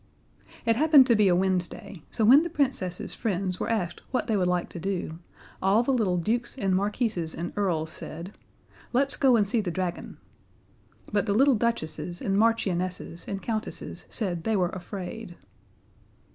It happened to be a Wednesday, so when the Princess's friends were asked what they would like to do, all the little dukes and marquises and earls said, "Let's go and see the dragon." But the little duchesses and marchionesses and countesses said they were afraid.